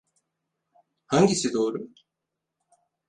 Hangisi doğru?